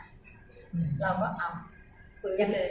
เราก็หยุดอีก